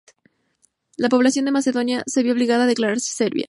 La población de Macedonia se vio obligada a declararse serbia.